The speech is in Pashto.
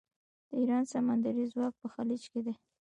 د ایران سمندري ځواک په خلیج کې دی.